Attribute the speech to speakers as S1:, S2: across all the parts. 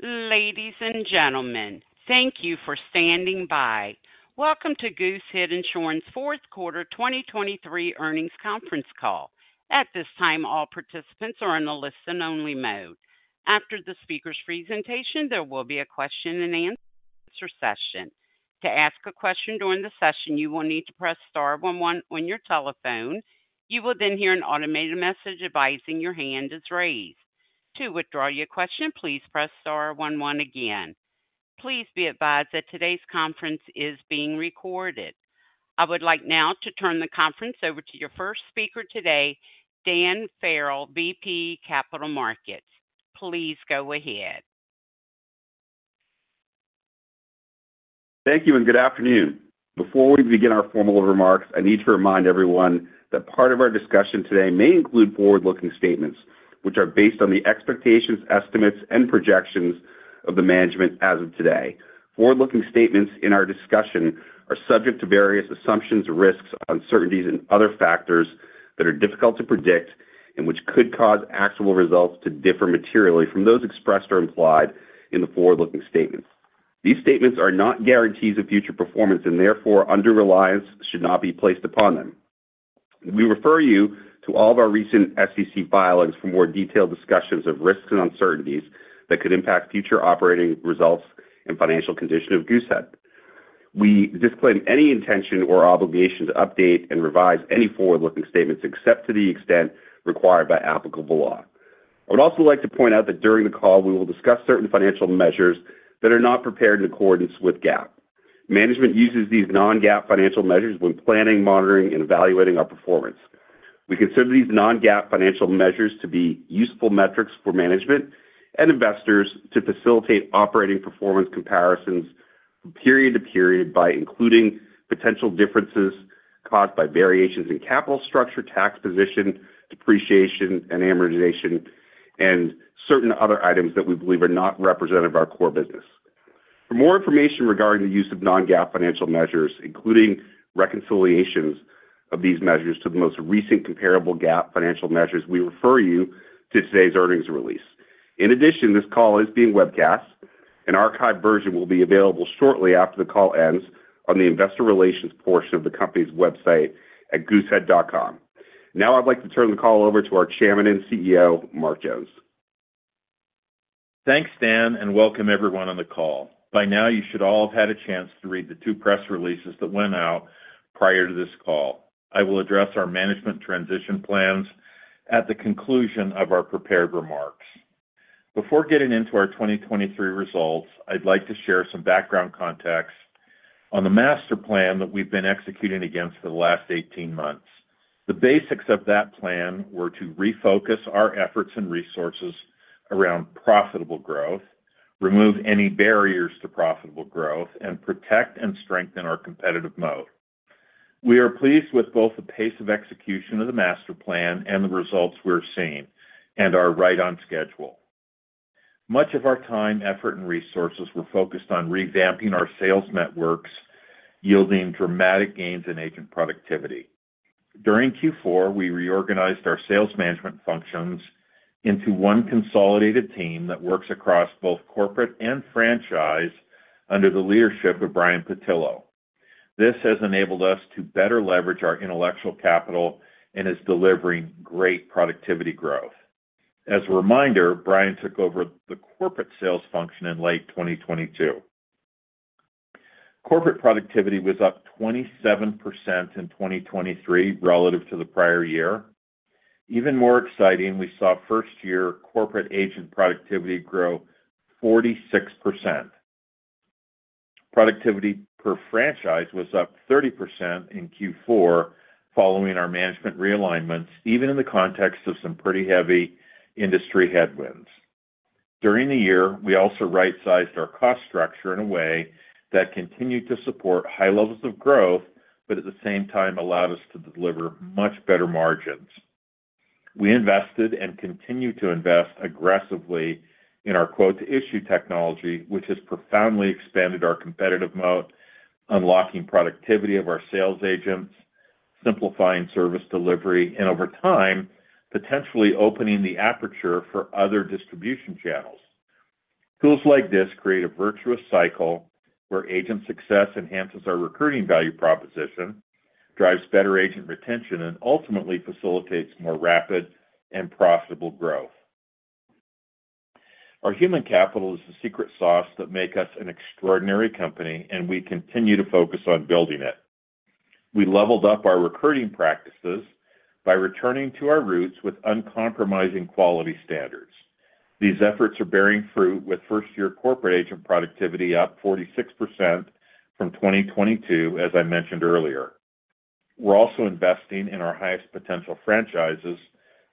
S1: Ladies and gentlemen, thank you for standing by. Welcome to Goosehead Insurance Fourth Quarter 2023 Earnings Conference Call. At this time, all participants are in the listen-only mode. After the speaker's presentation, there will be a question-and-answer session. To ask a question during the session, you will need to press star one one on your telephone. You will then hear an automated message advising your hand is raised. To withdraw your question, please press star one one again. Please be advised that today's conference is being recorded. I would like now to turn the conference over to your first speaker today, Dan Farrell, VP Capital Markets. Please go ahead.
S2: Thank you, and good afternoon. Before we begin our formal remarks, I need to remind everyone that part of our discussion today may include forward-looking statements, which are based on the expectations, estimates, and projections of the management as of today. Forward-looking statements in our discussion are subject to various assumptions, risks, uncertainties, and other factors that are difficult to predict and which could cause actual results to differ materially from those expressed or implied in the forward-looking statements. These statements are not guarantees of future performance and, therefore, under-reliance should not be placed upon them. We refer you to all of our recent SEC filings for more detailed discussions of risks and uncertainties that could impact future operating results and financial condition of Goosehead. We disclaim any intention or obligation to update and revise any forward-looking statements except to the extent required by applicable law. I would also like to point out that during the call, we will discuss certain financial measures that are not prepared in accordance with GAAP. Management uses these non-GAAP financial measures when planning, monitoring, and evaluating our performance. We consider these non-GAAP financial measures to be useful metrics for management and investors to facilitate operating performance comparisons from period to period by including potential differences caused by variations in capital structure, tax position, depreciation, and amortization, and certain other items that we believe are not representative of our core business. For more information regarding the use of non-GAAP financial measures, including reconciliations of these measures to the most recent comparable GAAP financial measures, we refer you to today's earnings release. In addition, this call is being webcast. An archived version will be available shortly after the call ends on the investor relations portion of the company's website at goosehead.com. Now I'd like to turn the call over to our Chairman and CEO, Mark Jones.
S3: Thanks, Dan, and welcome everyone on the call. By now, you should all have had a chance to read the two press releases that went out prior to this call. I will address our management transition plans at the conclusion of our prepared remarks. Before getting into our 2023 results, I'd like to share some background context on the master plan that we've been executing against for the last 18 months. The basics of that plan were to refocus our efforts and resources around profitable growth, remove any barriers to profitable growth, and protect and strengthen our competitive moat. We are pleased with both the pace of execution of the master plan and the results we're seeing and are right on schedule. Much of our time, effort, and resources were focused on revamping our sales networks, yielding dramatic gains in agent productivity. During Q4, we reorganized our sales management functions into one consolidated team that works across both corporate and franchise under the leadership of Brian Pattillo. This has enabled us to better leverage our intellectual capital and is delivering great productivity growth. As a reminder, Brian took over the corporate sales function in late 2022. Corporate productivity was up 27% in 2023 relative to the prior year. Even more exciting, we saw first-year corporate agent productivity grow 46%. Productivity per franchise was up 30% in Q4 following our management realignments, even in the context of some pretty heavy industry headwinds. During the year, we also right-sized our cost structure in a way that continued to support high levels of growth, but at the same time allowed us to deliver much better margins. We invested and continue to invest aggressively in our Quote-to-Issue technology, which has profoundly expanded our competitive moat, unlocking productivity of our sales agents, simplifying service delivery, and over time, potentially opening the aperture for other distribution channels. Tools like this create a virtuous cycle where agent success enhances our recruiting value proposition, drives better agent retention, and ultimately facilitates more rapid and profitable growth. Our human capital is the secret sauce that makes us an extraordinary company, and we continue to focus on building it. We leveled up our recruiting practices by returning to our roots with uncompromising quality standards. These efforts are bearing fruit, with first-year corporate agent productivity up 46% from 2022, as I mentioned earlier. We're also investing in our highest potential franchises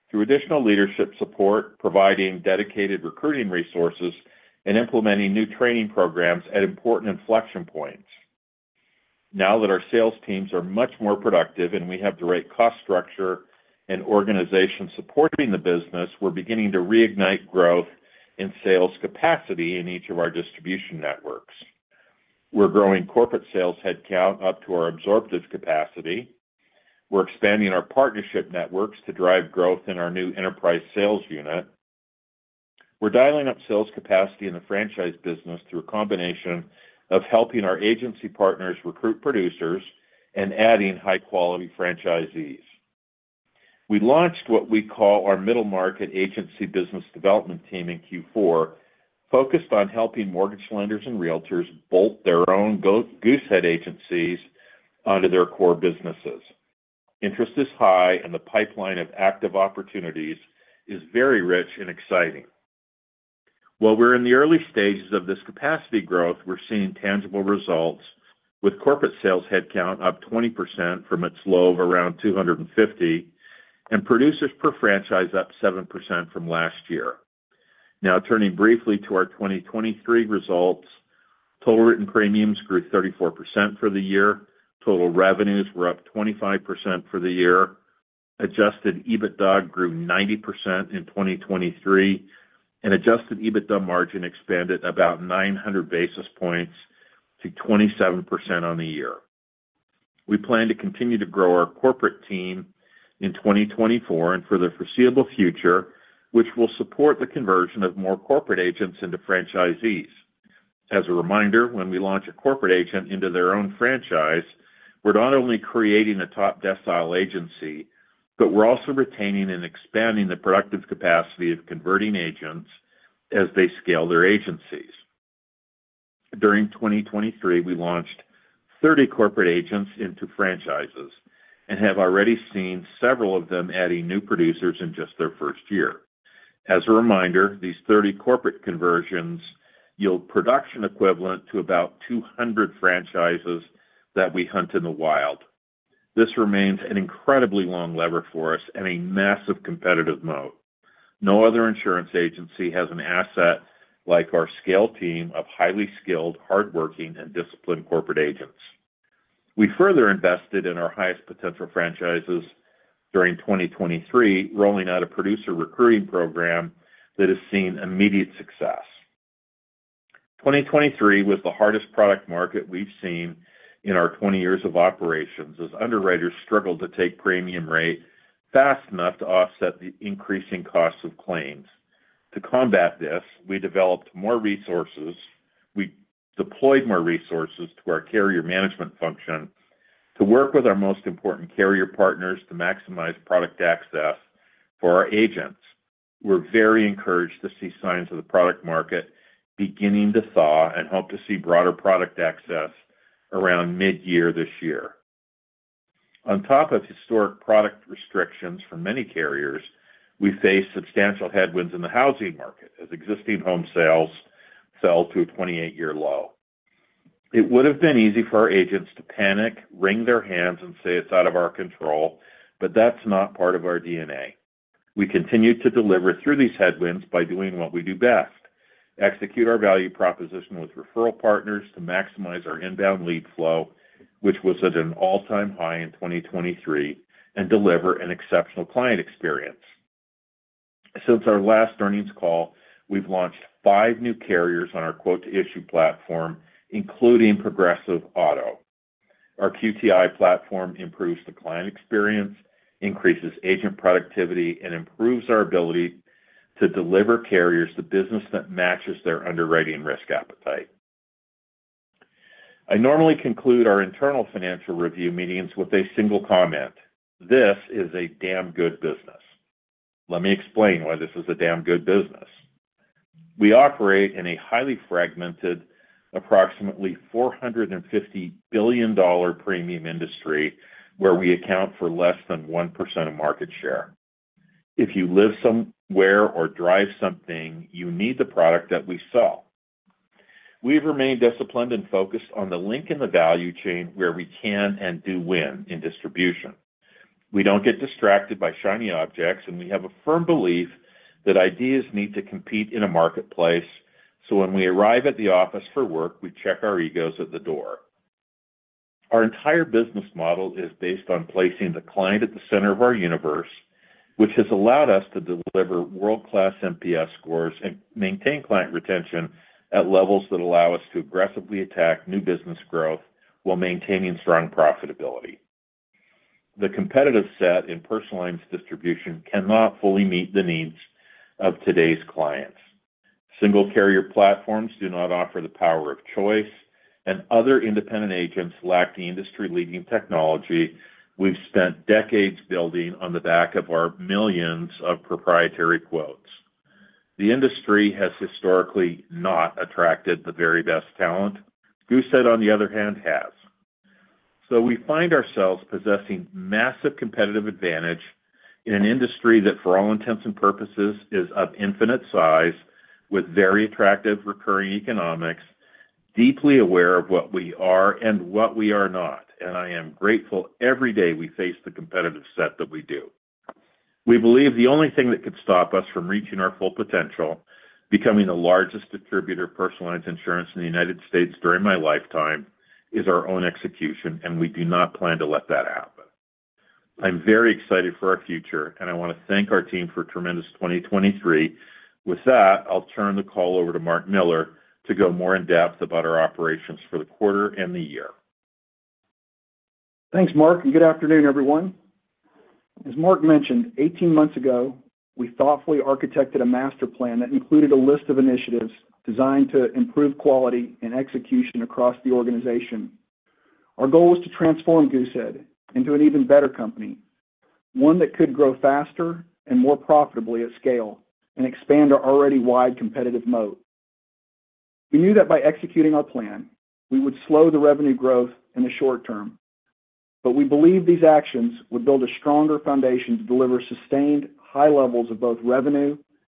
S3: through additional leadership support, providing dedicated recruiting resources, and implementing new training programs at important inflection points. Now that our sales teams are much more productive and we have the right cost structure and organization supporting the business, we're beginning to reignite growth in sales capacity in each of our distribution networks. We're growing corporate sales headcount up to our absorptive capacity. We're expanding our partnership networks to drive growth in our new enterprise sales unit. We're dialing up sales capacity in the franchise business through a combination of helping our agency partners recruit producers and adding high-quality franchisees. We launched what we call our middle-market agency business development team in Q4, focused on helping mortgage lenders and Realtors bolt their own Goosehead agencies onto their core businesses. Interest is high, and the pipeline of active opportunities is very rich and exciting. While we're in the early stages of this capacity growth, we're seeing tangible results with corporate sales headcount up 20% from its low of around 250 and producers per franchise up 7% from last year. Now, turning briefly to our 2023 results, Total Written Premiums grew 34% for the year. Total revenues were up 25% for the year. Adjusted EBITDA grew 90% in 2023, and Adjusted EBITDA margin expanded about 900 basis points to 27% on the year. We plan to continue to grow our corporate team in 2024 and for the foreseeable future, which will support the conversion of more corporate agents into franchisees. As a reminder, when we launch a corporate agent into their own franchise, we're not only creating a top-decile agency, but we're also retaining and expanding the productive capacity of converting agents as they scale their agencies. During 2023, we launched 30 corporate agents into franchises and have already seen several of them adding new producers in just their first year. As a reminder, these 30 corporate conversions yield production equivalent to about 200 franchises that we hunt in the wild. This remains an incredibly long lever for us and a massive competitive moat. No other insurance agency has an asset like our scale team of highly skilled, hardworking, and disciplined corporate agents. We further invested in our highest potential franchises during 2023, rolling out a producer recruiting program that has seen immediate success. 2023 was the hardest product market we've seen in our 20 years of operations as underwriters struggled to take premium rates fast enough to offset the increasing costs of claims. To combat this, we developed more resources. We deployed more resources to our carrier management function to work with our most important carrier partners to maximize product access for our agents. We're very encouraged to see signs of the product market beginning to thaw and hope to see broader product access around mid-year this year. On top of historic product restrictions for many carriers, we face substantial headwinds in the housing market as existing home sales fell to a 28-year low. It would have been easy for our agents to panic, wring their hands, and say it's out of our control, but that's not part of our DNA. We continue to deliver through these headwinds by doing what we do best: execute our value proposition with referral partners to maximize our inbound lead flow, which was at an all-time high in 2023, and deliver an exceptional client experience. Since our last earnings call, we've launched five new carriers on our Quote-to-Issue platform, including Progressive Auto. Our QTI platform improves the client experience, increases agent productivity, and improves our ability to deliver carriers to business that matches their underwriting risk appetite. I normally conclude our internal financial review meetings with a single comment: "This is a damn good business." Let me explain why this is a damn good business. We operate in a highly fragmented, approximately $450 billion premium industry where we account for less than 1% of market share. If you live somewhere or drive something, you need the product that we sell. We've remained disciplined and focused on the link in the value chain where we can and do win in distribution. We don't get distracted by shiny objects, and we have a firm belief that ideas need to compete in a marketplace. When we arrive at the office for work, we check our egos at the door. Our entire business model is based on placing the client at the center of our universe, which has allowed us to deliver world-class NPS scores and maintain client retention at levels that allow us to aggressively attack new business growth while maintaining strong profitability. The competitive set in personal lines distribution cannot fully meet the needs of today's clients. Single carrier platforms do not offer the power of choice, and other independent agents lack the industry-leading technology we've spent decades building on the back of our millions of proprietary quotes. The industry has historically not attracted the very best talent. Goosehead, on the other hand has. We find ourselves possessing massive competitive advantage in an industry that, for all intents and purposes, is of infinite size with very attractive recurring economics, deeply aware of what we are and what we are not. I am grateful every day we face the competitive set that we do. We believe the only thing that could stop us from reaching our full potential, becoming the largest distributor of personal lines insurance in the United States during my lifetime, is our own execution, and we do not plan to let that happen. I'm very excited for our future, and I want to thank our team for a tremendous 2023. With that, I'll turn the call over to Mark Miller to go more in-depth about our operations for the quarter and the year.
S4: Thanks, Mark, and good afternoon, everyone. As Mark mentioned, 18 months ago, we thoughtfully architected a master plan that included a list of initiatives designed to improve quality and execution across the organization. Our goal was to transform Goosehead into an even better company, one that could grow faster and more profitably at scale and expand our already wide competitive moat. We knew that by executing our plan, we would slow the revenue growth in the short term, but we believed these actions would build a stronger foundation to deliver sustained, high levels of both revenue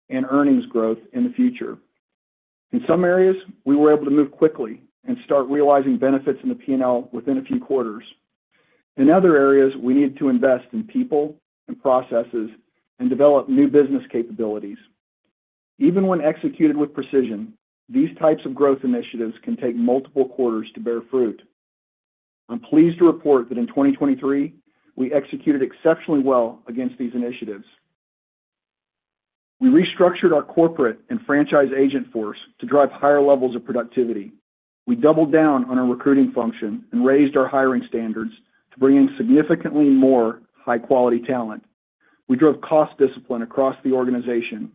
S4: and earnings growth in the future. In some areas, we were able to move quickly and start realizing benefits in the P&L within a few quarters. In other areas, we needed to invest in people and processes and develop new business capabilities. Even when executed with precision, these types of growth initiatives can take multiple quarters to bear fruit. I'm pleased to report that in 2023, we executed exceptionally well against these initiatives. We restructured our corporate and franchise agent force to drive higher levels of productivity. We doubled down on our recruiting function and raised our hiring standards to bring in significantly more high-quality talent. We drove cost discipline across the organization.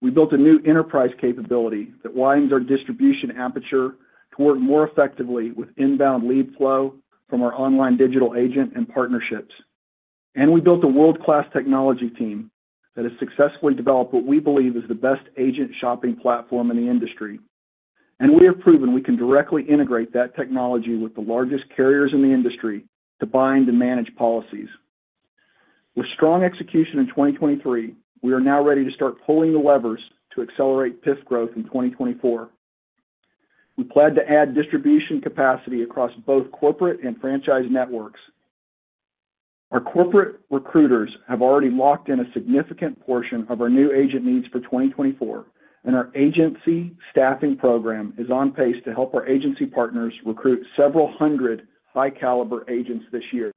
S4: We built a new enterprise capability that winds our distribution aperture toward more effectively with inbound lead flow from our online Digital Agent and partnerships. We built a world-class technology team that has successfully developed what we believe is the best agent shopping platform in the industry. We have proven we can directly integrate that technology with the largest carriers in the industry to bind and manage policies. With strong execution in 2023, we are now ready to start pulling the levers to accelerate PIF growth in 2024. We plan to add distribution capacity across both corporate and franchise networks. Our corporate recruiters have already locked in a significant portion of our new agent needs for 2024, and our agency staffing program is on pace to help our agency partners recruit several hundred high-caliber agents this year.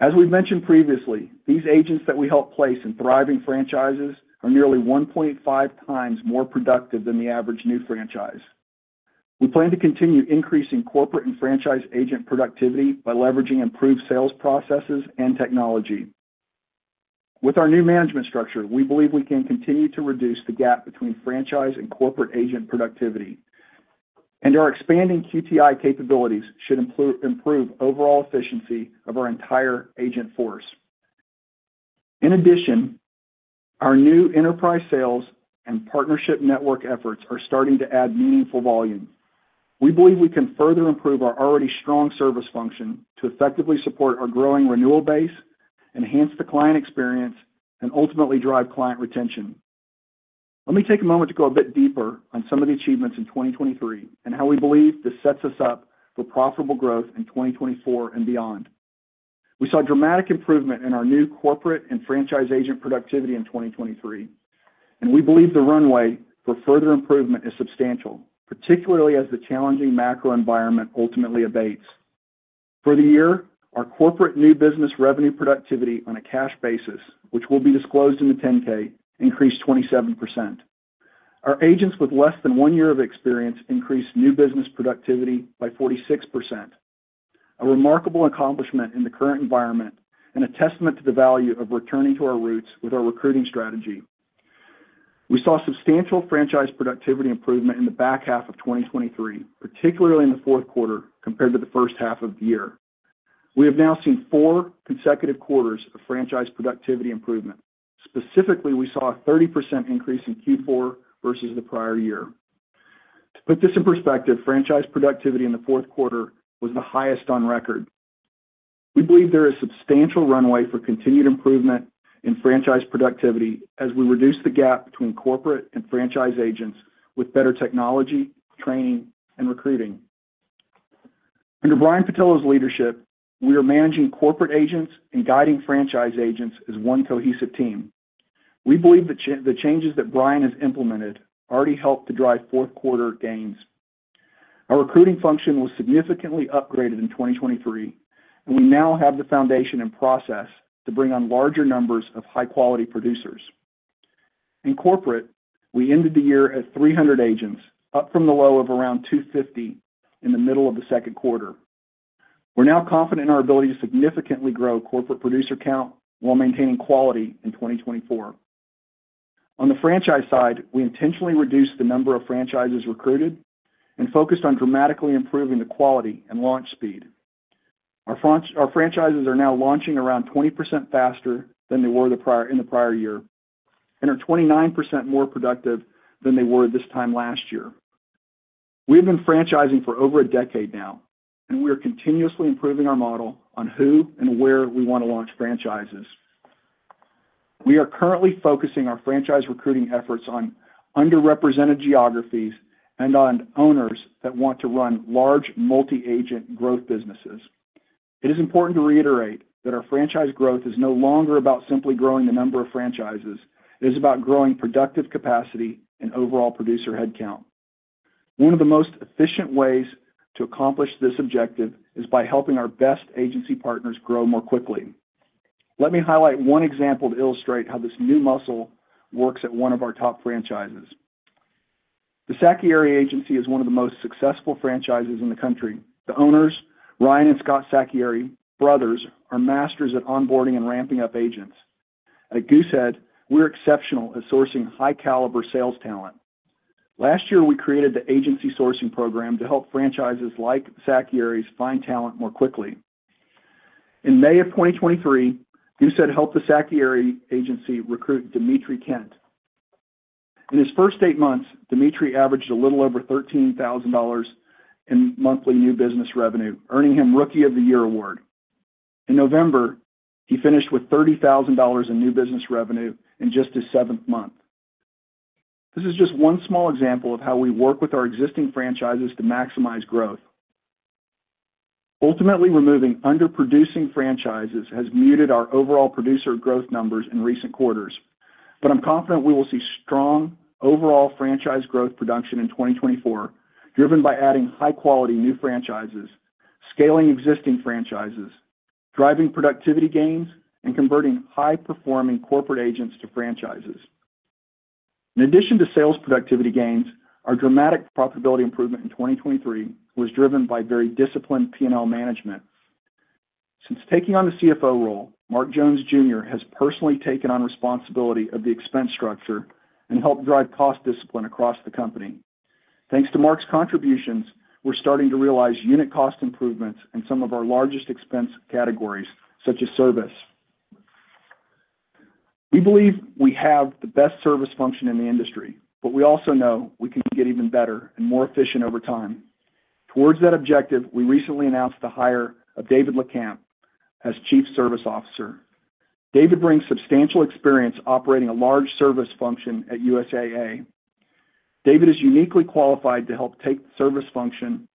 S4: As we've mentioned previously, these agents that we help place in thriving franchises are nearly 1.5x more productive than the average new franchise. We plan to continue increasing corporate and franchise agent productivity by leveraging improved sales processes and technology. With our new management structure, we believe we can continue to reduce the gap between franchise and corporate agent productivity. Our expanding QTI capabilities should improve overall efficiency of our entire agent force. In addition, our new enterprise sales and partnership network efforts are starting to add meaningful volume. We believe we can further improve our already strong service function to effectively support our growing renewal base, enhance the client experience, and ultimately drive client retention. Let me take a moment to go a bit deeper on some of the achievements in 2023 and how we believe this sets us up for profitable growth in 2024 and beyond. We saw dramatic improvement in our new corporate and franchise agent productivity in 2023, and we believe the runway for further improvement is substantial, particularly as the challenging macro environment ultimately abates. For the year, our corporate new business revenue productivity on a cash basis, which will be disclosed in the 10-K, increased 27%. Our agents with less than one year of experience increased new business productivity by 46%, a remarkable accomplishment in the current environment and a testament to the value of returning to our roots with our recruiting strategy. We saw substantial franchise productivity improvement in the back half of 2023, particularly in the fourth quarter compared to the first half of the year. We have now seen four consecutive quarters of franchise productivity improvement. Specifically, we saw a 30% increase in Q4 versus the prior year. To put this in perspective, franchise productivity in the fourth quarter was the highest on record. We believe there is substantial runway for continued improvement in franchise productivity as we reduce the gap between corporate and franchise agents with better technology, training, and recruiting. Under Brian Pattillo's leadership, we are managing corporate agents and guiding franchise agents as one cohesive team. We believe the changes that Brian has implemented already helped to drive fourth-quarter gains. Our recruiting function was significantly upgraded in 2023, and we now have the foundation and process to bring on larger numbers of high-quality producers. In corporate, we ended the year at 300 agents, up from the low of around 250 in the middle of the second quarter. We're now confident in our ability to significantly grow corporate producer count while maintaining quality in 2024. On the franchise side, we intentionally reduced the number of franchises recruited and focused on dramatically improving the quality and launch speed. Our franchises are now launching around 20% faster than they were in the prior year and are 29% more productive than they were this time last year. We have been franchising for over a decade now, and we are continuously improving our model on who and where we want to launch franchises. We are currently focusing our franchise recruiting efforts on underrepresented geographies and on owners that want to run large, multi-agent growth businesses. It is important to reiterate that our franchise growth is no longer about simply growing the number of franchises. It is about growing productive capacity and overall producer headcount. One of the most efficient ways to accomplish this objective is by helping our best agency partners grow more quickly. Let me highlight one example to illustrate how this new muscle works at one of our top franchises. The Sacchieri Agency is one of the most successful franchises in the country. The owners, Ryan and Scott Sacchieri brothers, are masters at onboarding and ramping up agents. At Goosehead, we're exceptional at sourcing high-caliber sales talent. Last year, we created the agency sourcing program to help franchises like Sacchieri's find talent more quickly. In May of 2023, Goosehead helped the Sacchieri Agency recruit Dimitri Kent. In his first eight months, Dimitri averaged a little over $13,000 in monthly new business revenue, earning him Rookie of the Year award. In November, he finished with $30,000 in new business revenue in just his seventh month. This is just one small example of how we work with our existing franchises to maximize growth. Ultimately, removing underproducing franchises has muted our overall producer growth numbers in recent quarters. But I'm confident we will see strong overall franchise growth production in 2024, driven by adding high-quality new franchises, scaling existing franchises, driving productivity gains, and converting high-performing corporate agents to franchises. In addition to sales productivity gains, our dramatic profitability improvement in 2023 was driven by very disciplined P&L management. Since taking on the CFO role, Mark Jones Jr., has personally taken on responsibility of the expense structure and helped drive cost discipline across the company. Thanks to Mark's contributions, we're starting to realize unit cost improvements in some of our largest expense categories, such as service. We believe we have the best service function in the industry, but we also know we can get even better and more efficient over time. Towards that objective, we recently announced the hire of David Lakamp as Chief Service Officer. David brings substantial experience operating a large service function at USAA. David is uniquely qualified to help take the service function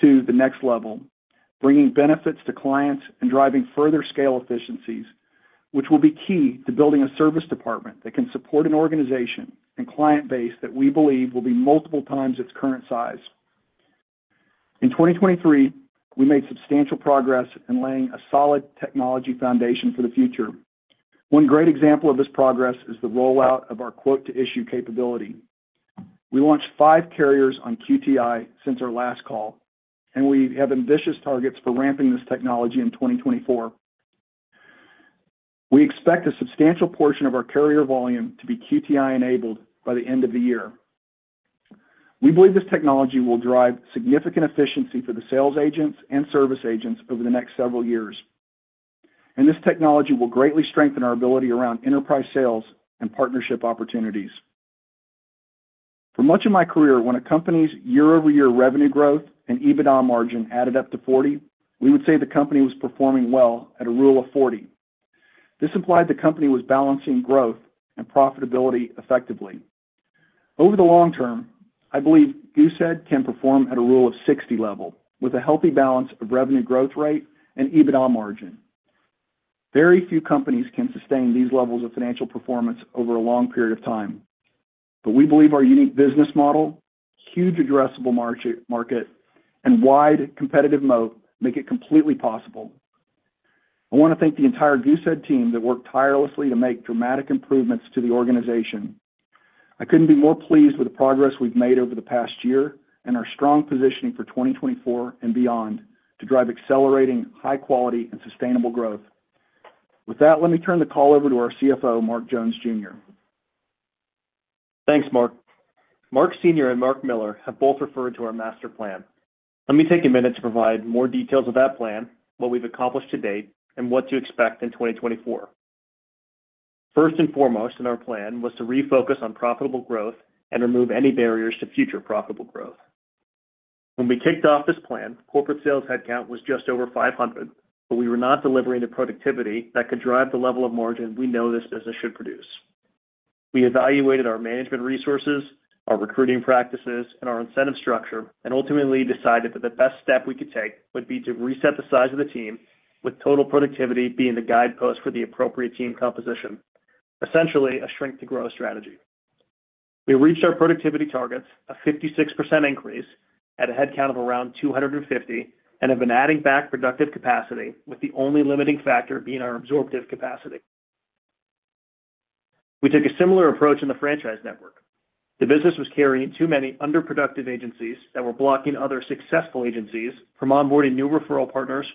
S4: to the next level, bringing benefits to clients and driving further scale efficiencies, which will be key to building a service department that can support an organization and client base that we believe will be multiple times its current size. In 2023, we made substantial progress in laying a solid technology foundation for the future. One great example of this progress is the rollout of our Quote-to-Issue capability. We launched five carriers on QTI since our last call, and we have ambitious targets for ramping this technology in 2024. We expect a substantial portion of our carrier volume to be QTI-enabled by the end of the year. We believe this technology will drive significant efficiency for the sales agents and service agents over the next several years. This technology will greatly strengthen our ability around enterprise sales and partnership opportunities. For much of my career, when a company's year-over-year revenue growth and EBITDA margin added up to 40, we would say the company was performing well at a Rule of 40. This implied the company was balancing growth and profitability effectively. Over the long term, I believe Goosehead can perform at a Rule of 60 level with a healthy balance of revenue growth rate and EBITDA margin. Very few companies can sustain these levels of financial performance over a long period of time. But we believe our unique business model, huge addressable market, and wide competitive moat make it completely possible. I want to thank the entire Goosehead team that worked tirelessly to make dramatic improvements to the organization. I couldn't be more pleased with the progress we've made over the past year and our strong positioning for 2024 and beyond to drive accelerating high-quality and sustainable growth. With that, let me turn the call over to our CFO, Mark Jones Jr.
S5: Thanks, Mark. Mark Sr. and Mark Miller have both referred to our master plan. Let me take a minute to provide more details of that plan, what we've accomplished to date, and what to expect in 2024. First and foremost in our plan was to refocus on profitable growth and remove any barriers to future profitable growth. When we kicked off this plan, corporate sales headcount was just over 500, but we were not delivering the productivity that could drive the level of margin we know this business should produce. We evaluated our management resources, our recruiting practices, and our incentive structure and ultimately decided that the best step we could take would be to reset the size of the team, with total productivity being the guidepost for the appropriate team composition, essentially a shrink-to-grow strategy. We reached our productivity targets, a 56% increase at a headcount of around 250, and have been adding back productive capacity, with the only limiting factor being our absorptive capacity. We took a similar approach in the franchise network. The business was carrying too many underproductive agencies that were blocking other successful agencies from onboarding new referral partners,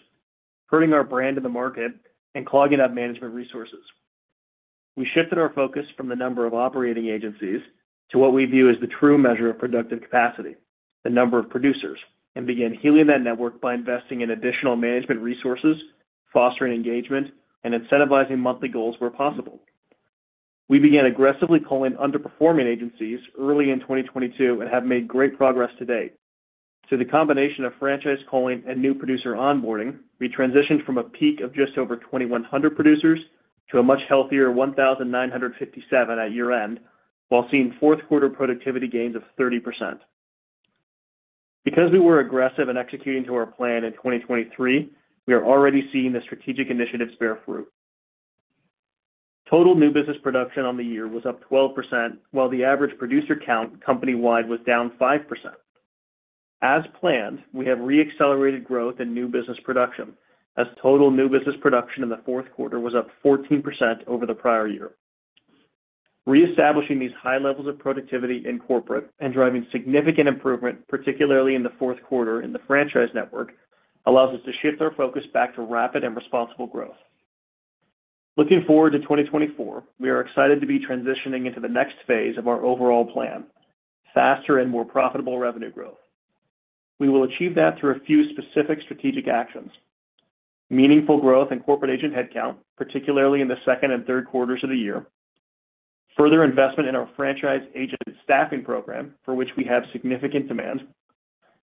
S5: hurting our brand in the market, and clogging up management resources. We shifted our focus from the number of operating agencies to what we view as the true measure of productive capacity, the number of producers, and began healing that network by investing in additional management resources, fostering engagement, and incentivizing monthly goals where possible. We began aggressively pulling underperforming agencies early in 2022 and have made great progress to date. Through the combination of franchise calling and new producer onboarding, we transitioned from a peak of just over 2,100 producers to a much healthier 1,957 at year-end while seeing fourth-quarter productivity gains of 30%. Because we were aggressive in executing to our plan in 2023, we are already seeing the strategic initiatives bear fruit. Total new business production on the year was up 12%, while the average producer count company-wide was down 5%. As planned, we have reaccelerated growth in new business production, as total new business production in the fourth quarter was up 14% over the prior year. Reestablishing these high levels of productivity in corporate and driving significant improvement, particularly in the fourth quarter in the franchise network, allows us to shift our focus back to rapid and responsible growth. Looking forward to 2024, we are excited to be transitioning into the next phase of our overall plan, faster and more profitable revenue growth. We will achieve that through a few specific strategic actions: meaningful growth in corporate agent headcount, particularly in the second and third quarters of the year, further investment in our franchise agent staffing program, for which we have significant demand,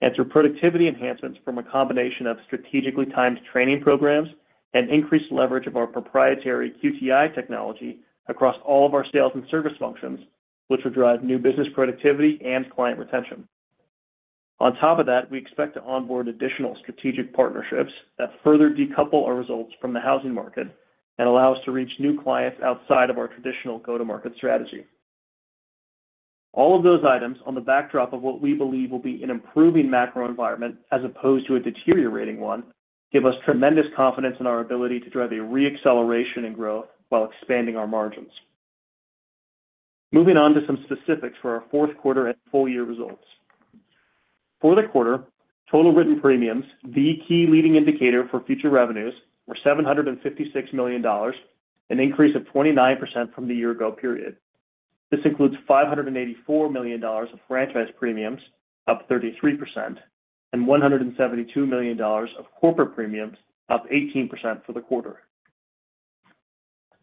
S5: and through productivity enhancements from a combination of strategically timed training programs and increased leverage of our proprietary QTI technology across all of our sales and service functions, which will drive new business productivity and client retention. On top of that, we expect to onboard additional strategic partnerships that further decouple our results from the housing market and allow us to reach new clients outside of our traditional go-to-market strategy. All of those items, on the backdrop of what we believe will be an improving macro environment as opposed to a deteriorating one, give us tremendous confidence in our ability to drive a reacceleration in growth while expanding our margins. Moving on to some specifics for our fourth quarter and full-year results. For the quarter, Total Written Premiums, the key leading indicator for future revenues, were $756 million, an increase of 29% from the year-ago period. This includes $584 million of franchise premiums, up 33%, and $172 million of corporate premiums, up 18% for the quarter.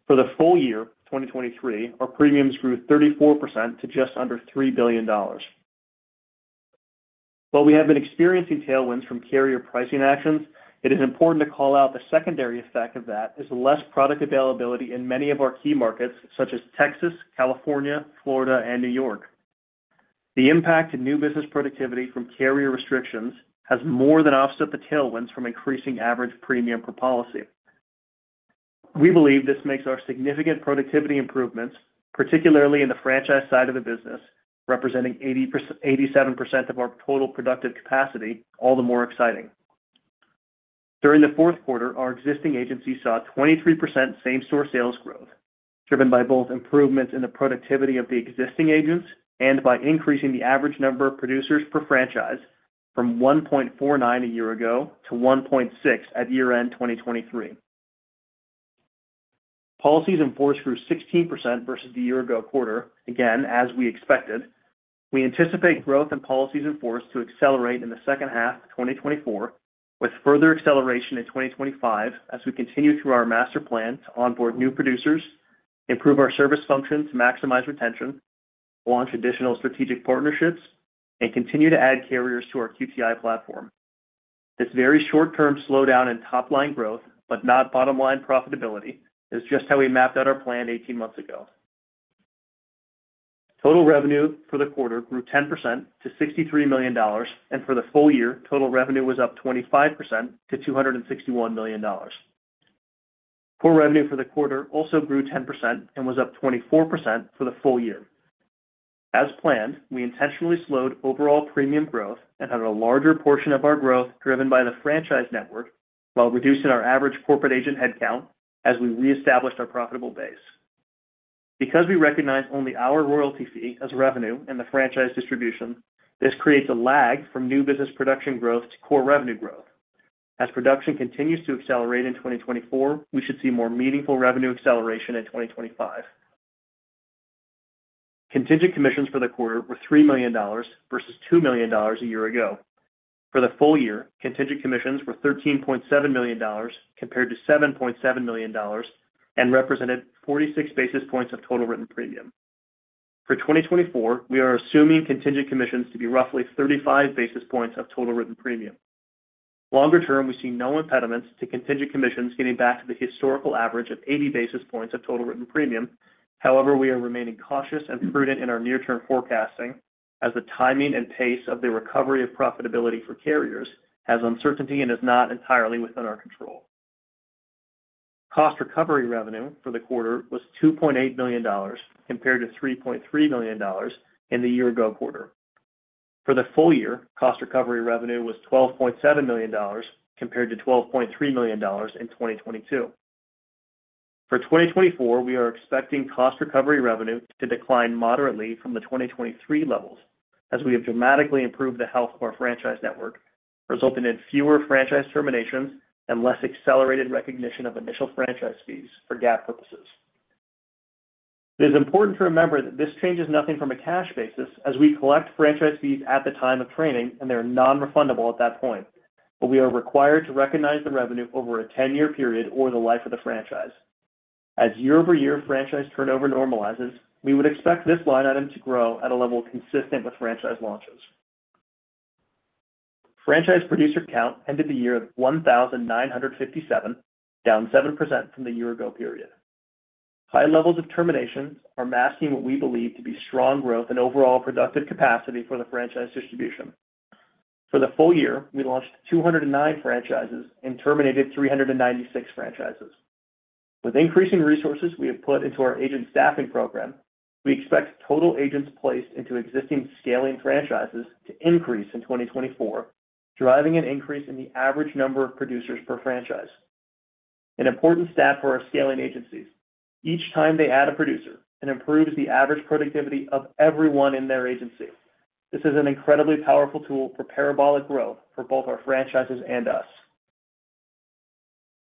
S5: For the full year, 2023, our premiums grew 34% to just under $3 billion. While we have been experiencing tailwinds from carrier pricing actions, it is important to call out the secondary effect of that is less product availability in many of our key markets, such as Texas, California, Florida, and New York. The impact to new business productivity from carrier restrictions has more than offset the tailwinds from increasing average premium per policy. We believe this makes our significant productivity improvements, particularly in the franchise side of the business, representing 87% of our total productive capacity, all the more exciting. During the fourth quarter, our existing agency saw 23% same-store sales growth, driven by both improvements in the productivity of the existing agents and by increasing the average number of producers per franchise from 1.49 a year ago to 1.6 at year-end 2023. Policies in Force grew 16% versus the year-ago quarter, again, as we expected. We anticipate growth in policies in force to accelerate in the second half of 2024, with further acceleration in 2025 as we continue through our master plan to onboard new producers, improve our service function to maximize retention, launch additional strategic partnerships, and continue to add carriers to our QTI platform. This very short-term slowdown in top-line growth but not bottom-line profitability is just how we mapped out our plan 18 months ago. Total revenue for the quarter grew 10% to $63 million, and for the full year, total revenue was up 25% to $261 million. Core revenue for the quarter also grew 10% and was up 24% for the full year. As planned, we intentionally slowed overall premium growth and had a larger portion of our growth driven by the franchise network while reducing our average corporate agent headcount as we reestablished our profitable base. Because we recognize only our royalty fee as revenue in the franchise distribution, this creates a lag from new business production growth to core revenue growth. As production continues to accelerate in 2024, we should see more meaningful revenue acceleration in 2025. Contingent commissions for the quarter were $3 million versus $2 million a year ago. For the full year, contingent commissions were $13.7 million compared to $7.7 million and represented 46 basis points of total written premium. For 2024, we are assuming contingent commissions to be roughly 35 basis points of total written premium. Longer term, we see no impediments to contingent commissions getting back to the historical average of 80 basis points of total written premium. However, we are remaining cautious and prudent in our near-term forecasting as the timing and pace of the recovery of profitability for carriers has uncertainty and is not entirely within our control. Cost recovery revenue for the quarter was $2.8 million compared to $3.3 million in the year-ago quarter. For the full year, cost recovery revenue was $12.7 million compared to $12.3 million in 2022. For 2024, we are expecting cost recovery revenue to decline moderately from the 2023 levels as we have dramatically improved the health of our franchise network, resulting in fewer franchise terminations and less accelerated recognition of initial franchise fees for GAAP purposes. It is important to remember that this changes nothing from a cash basis as we collect franchise fees at the time of training, and they are non-refundable at that point, but we are required to recognize the revenue over a 10-year period or the life of the franchise. As year-over-year franchise turnover normalizes, we would expect this line item to grow at a level consistent with franchise launches. Franchise producer count ended the year at 1,957, down 7% from the year-ago period. High levels of terminations are masking what we believe to be strong growth in overall productive capacity for the franchise distribution. For the full year, we launched 209 franchises and terminated 396 franchises. With increasing resources we have put into our agent staffing program, we expect total agents placed into existing scaling franchises to increase in 2024, driving an increase in the average number of producers per franchise. An important stat for our scaling agencies: each time they add a producer, it improves the average productivity of everyone in their agency. This is an incredibly powerful tool for parabolic growth for both our franchises and us.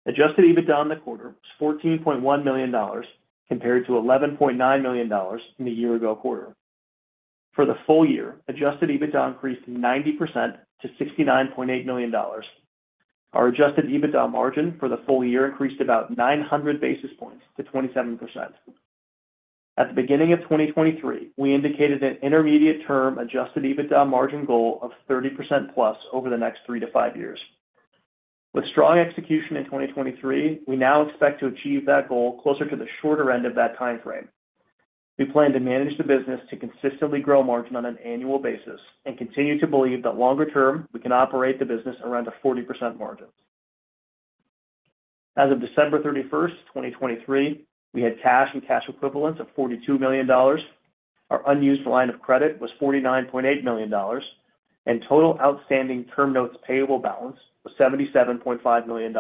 S5: Adjusted EBITDA in the quarter was $14.1 million compared to $11.9 million in the year-ago quarter. For the full year, adjusted EBITDA increased 90% to $69.8 million. Our adjusted EBITDA margin for the full year increased about 900 basis points to 27%. At the beginning of 2023, we indicated an intermediate-term adjusted EBITDA margin goal of 30%+ over the next three to five years. With strong execution in 2023, we now expect to achieve that goal closer to the shorter end of that time frame. We plan to manage the business to consistently grow margin on an annual basis and continue to believe that longer term, we can operate the business around a 40% margin. As of December 31, 2023, we had cash and cash equivalents of $42 million. Our unused line of credit was $49.8 million, and total outstanding term notes payable balance was $77.5 million.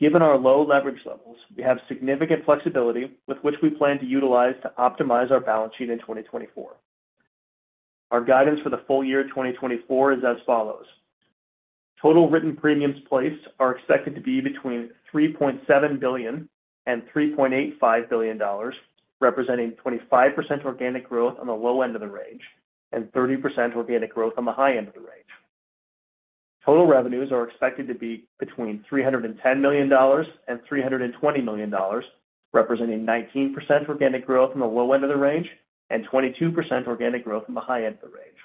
S5: Given our low leverage levels, we have significant flexibility with which we plan to utilize to optimize our balance sheet in 2024. Our guidance for the full year 2024 is as follows: total written premiums placed are expected to be between $3.7 billion-$3.85 billion, representing 25% organic growth on the low end of the range and 30% organic growth on the high end of the range. Total revenues are expected to be between $310 million-$320 million, representing 19% organic growth on the low end of the range and 22% organic growth on the high end of the range.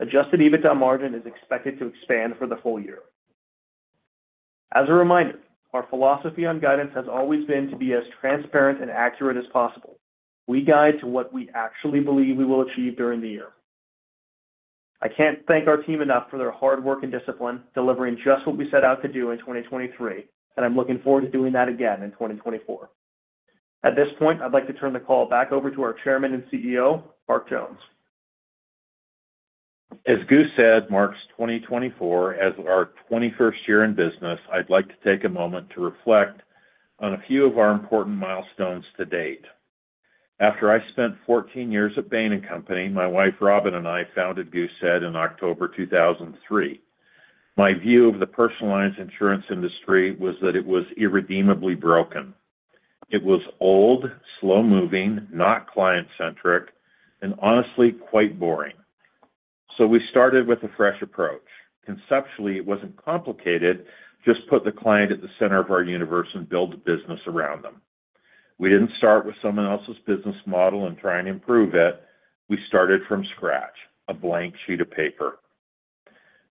S5: Adjusted EBITDA margin is expected to expand for the full year. As a reminder, our philosophy on guidance has always been to be as transparent and accurate as possible. We guide to what we actually believe we will achieve during the year. I can't thank our team enough for their hard work and discipline delivering just what we set out to do in 2023, and I'm looking forward to doing that again in 2024. At this point, I'd like to turn the call back over to our Chairman and CEO, Mark Jones.
S3: As Goosehead marks 2024 as our 21st year in business, I'd like to take a moment to reflect on a few of our important milestones to date. After I spent 14 years at Bain & Company, my wife, Robyn, and I founded Goosehead in October 2003. My view of the personal lines insurance industry was that it was irredeemably broken. It was old, slow-moving, not client-centric, and honestly, quite boring. So we started with a fresh approach. Conceptually, it wasn't complicated: just put the client at the center of our universe and build the business around them. We didn't start with someone else's business model and try and improve it. We started from scratch, a blank sheet of paper.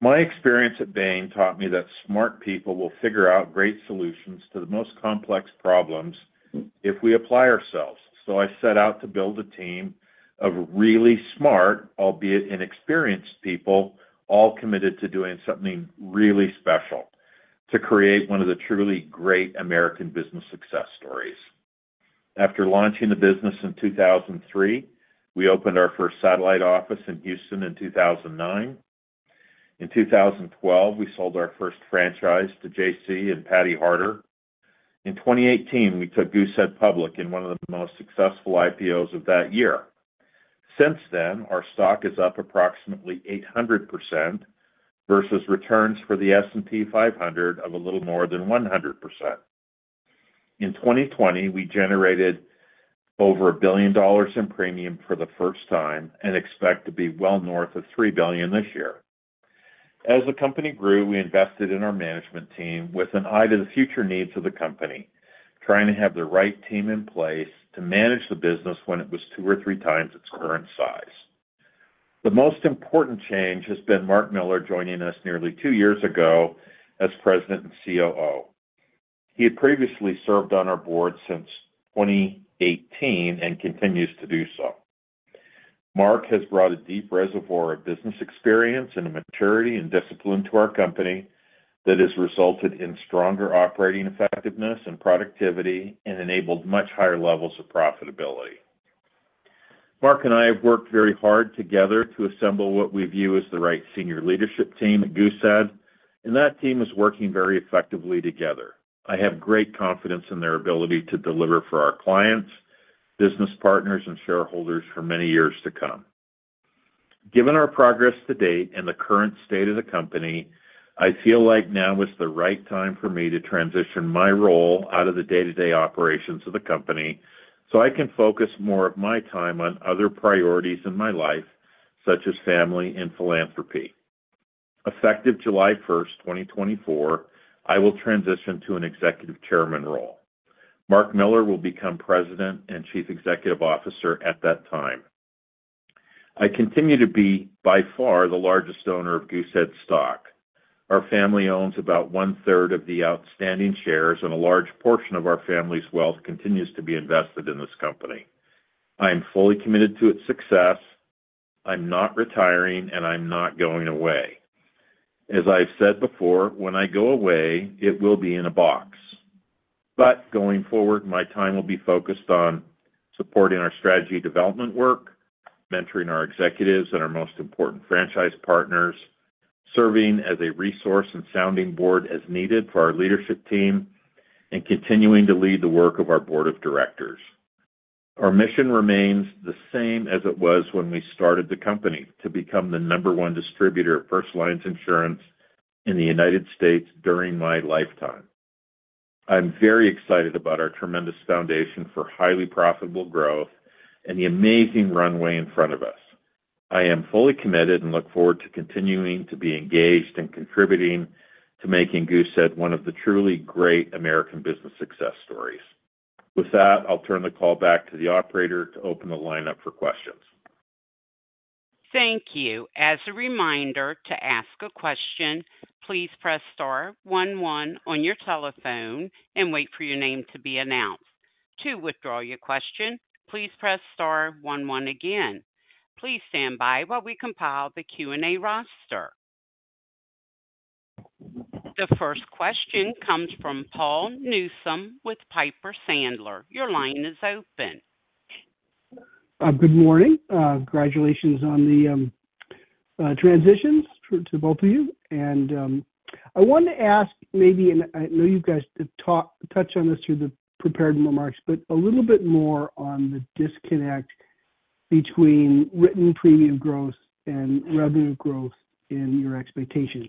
S3: My experience at Bain taught me that smart people will figure out great solutions to the most complex problems if we apply ourselves. So I set out to build a team of really smart, albeit inexperienced people, all committed to doing something really special to create one of the truly great American business success stories. After launching the business in 2003, we opened our first satellite office in Houston in 2009. In 2012, we sold our first franchise to JC and Patty Harter. In 2018, we took Goosehead public in one of the most successful IPOs of that year. Since then, our stock is up approximately 800% versus returns for the S&P 500 of a little more than 100%. In 2020, we generated over $1 billion in premium for the first time and expect to be well north of $3 billion this year. As the company grew, we invested in our management team with an eye to the future needs of the company, trying to have the right team in place to manage the business when it was two or three times its current size. The most important change has been Mark Miller joining us nearly two years ago as President and COO. He had previously served on our board since 2018 and continues to do so. Mark has brought a deep reservoir of business experience and a maturity and discipline to our company that has resulted in stronger operating effectiveness and productivity and enabled much higher levels of profitability. Mark and I have worked very hard together to assemble what we view as the right senior leadership team at Goosehead, and that team is working very effectively together. I have great confidence in their ability to deliver for our clients, business partners, and shareholders for many years to come. Given our progress to date and the current state of the company, I feel like now is the right time for me to transition my role out of the day-to-day operations of the company so I can focus more of my time on other priorities in my life, such as family and philanthropy. Effective July 1, 2024, I will transition to an Executive Chairman role. Mark Miller will become President and Chief Executive Officer at that time. I continue to be, by far, the largest owner of Goosehead's stock. Our family owns about one-third of the outstanding shares, and a large portion of our family's wealth continues to be invested in this company. I am fully committed to its success. I'm not retiring, and I'm not going away. As I've said before, when I go away, it will be in a box. But going forward, my time will be focused on supporting our strategy development work, mentoring our executives and our most important franchise partners, serving as a resource and sounding board as needed for our leadership team, and continuing to lead the work of our board of directors. Our mission remains the same as it was when we started the company: to become the number one distributor of first lines insurance in the United States during my lifetime. I'm very excited about our tremendous foundation for highly profitable growth and the amazing runway in front of us. I am fully committed and look forward to continuing to be engaged and contributing to making Goosehead one of the truly great American business success stories. With that, I'll turn the call back to the operator to open the line up for questions.
S1: Thank you. As a reminder, to ask a question, please press star one one on your telephone and wait for your name to be announced. To withdraw your question, please press star one one again. Please stand by while we compile the Q&A roster. The first question comes from Paul Newsome with Piper Sandler. Your line is open.
S6: Good morning. Congratulations on the transitions to both of you. I wanted to ask, maybe, and I know you guys touched on this through the prepared remarks, but a little bit more on the disconnect between written premium growth and revenue growth in your expectations.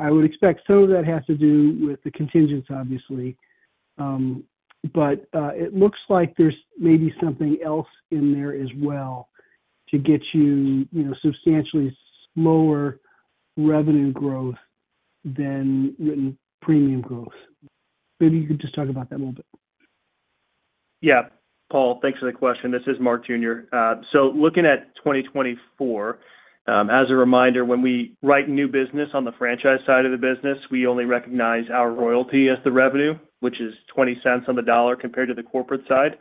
S6: I would expect some of that has to do with the contingents, obviously. But it looks like there's maybe something else in there as well to get you substantially slower revenue growth than written premium growth. Maybe you could just talk about that a little bit.
S5: Yeah. Paul, thanks for the question. This is Mark Jr. So looking at 2024, as a reminder, when we write new business on the franchise side of the business, we only recognize our royalty as the revenue, which is $0.20 on the dollar compared to the corporate side.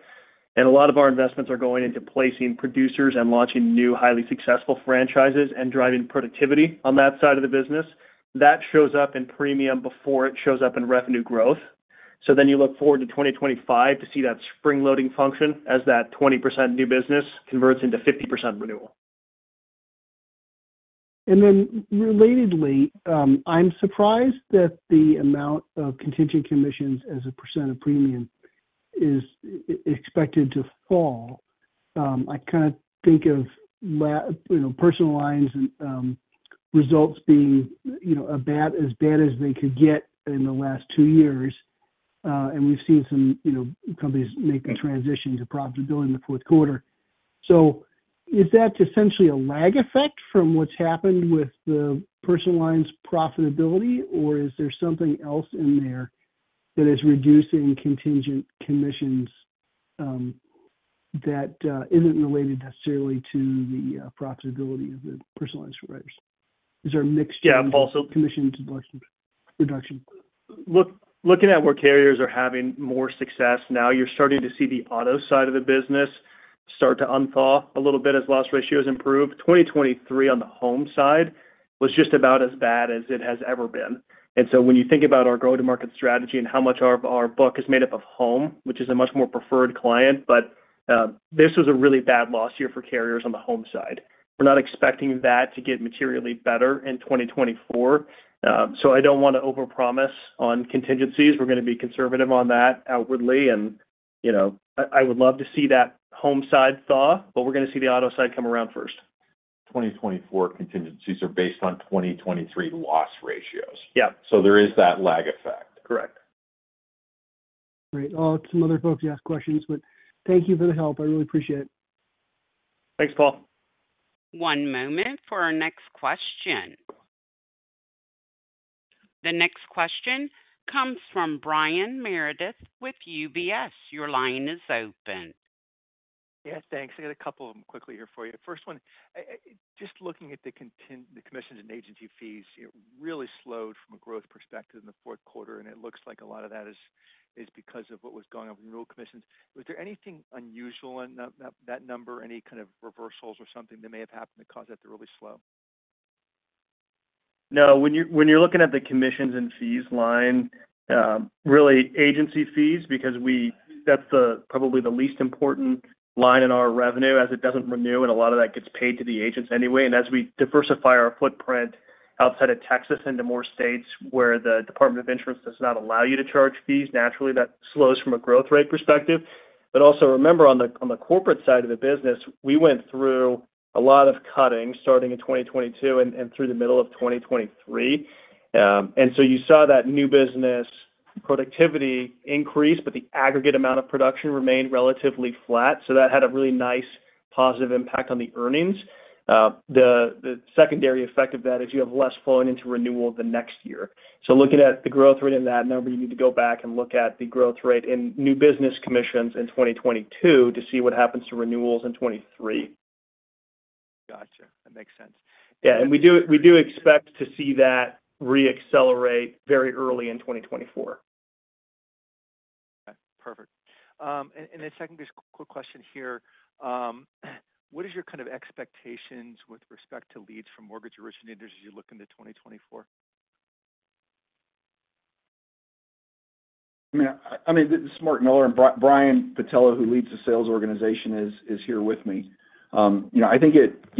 S5: And a lot of our investments are going into placing producers and launching new, highly successful franchises and driving productivity on that side of the business. That shows up in premium before it shows up in revenue growth. So then you look forward to 2025 to see that spring-loading function as that 20% new business converts into 50% renewal.
S6: Then relatedly, I'm surprised that the amount of Contingent Commissions as a percent of premium is expected to fall. I kind of think of personal lines and results being as bad as they could get in the last two years. And we've seen some companies make the transition to profitability in the fourth quarter. So is that essentially a lag effect from what's happened with the personal lines profitability, or is there something else in there that is reducing Contingent Commissions that isn't related necessarily to the profitability of the personal lines providers? Is there a mixture of commissions reduction?
S5: Yeah. Paul, so looking at where carriers are having more success now, you're starting to see the auto side of the business start to unthaw a little bit as loss ratios improve. 2023 on the home side was just about as bad as it has ever been. And so when you think about our go-to-market strategy and how much of our book is made up of home, which is a much more preferred client, but this was a really bad loss year for carriers on the home side. We're not expecting that to get materially better in 2024. So I don't want to overpromise on contingencies. We're going to be conservative on that outwardly. And I would love to see that home side thaw, but we're going to see the auto side come around first.
S4: 2024 contingencies are based on 2023 loss ratios. So there is that lag effect.
S5: Correct.
S6: Great. I'll have some other folks ask questions, but thank you for the help. I really appreciate it.
S5: Thanks, Paul.
S1: One moment for our next question. The next question comes from Brian Meredith with UBS. Your line is open.
S7: Yeah. Thanks. I got a couple of them quickly here for you. First one, just looking at the commissions and agency fees, it really slowed from a growth perspective in the fourth quarter, and it looks like a lot of that is because of what was going on with renewal commissions. Was there anything unusual in that number, any kind of reversals or something that may have happened that caused that to really slow?
S5: No. When you're looking at the commissions and fees line, really agency fees, because that's probably the least important line in our revenue as it doesn't renew, and a lot of that gets paid to the agents anyway. And as we diversify our footprint outside of Texas into more states where the department of insurance does not allow you to charge fees, naturally, that slows from a growth rate perspective. But also remember, on the corporate side of the business, we went through a lot of cutting starting in 2022 and through the middle of 2023. And so you saw that new business productivity increase, but the aggregate amount of production remained relatively flat. So that had a really nice positive impact on the earnings. The secondary effect of that is you have less flowing into renewal the next year. So looking at the growth rate in that number, you need to go back and look at the growth rate in new business commissions in 2022 to see what happens to renewals in 2023.
S7: Gotcha. That makes sense.
S5: Yeah. And we do expect to see that reaccelerate very early in 2024.
S7: Okay. Perfect. And then second, just a quick question here. What is your kind of expectations with respect to leads from mortgage originators as you look into 2024?
S3: I mean, Mark Miller and Brian Pattillo, who leads the sales organization, is here with me. I think